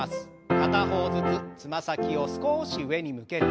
片方ずつつま先を少し上に向けて。